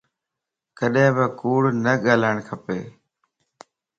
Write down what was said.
ڪڏي بي ڪوڙ نه ڳالھاڙ کپ